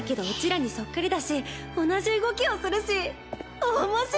らにそっくりだし同じ動きをするし面白っ！